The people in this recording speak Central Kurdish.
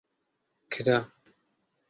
کرا.